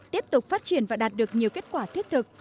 tiếp tục phát triển và đạt được nhiều kết quả thiết thực